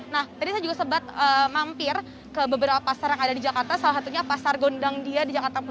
nah tadi saya juga sempat mampir ke beberapa pasar yang ada di jakarta salah satunya pasar gondang dia di jakarta